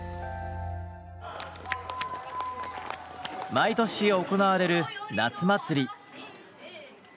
毎年行われる夏祭り。